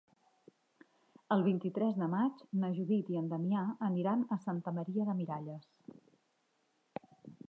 El vint-i-tres de maig na Judit i en Damià aniran a Santa Maria de Miralles.